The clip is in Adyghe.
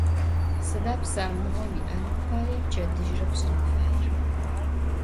Sıda psaunığe vui'enım paê pçedıjre pş'en faêr?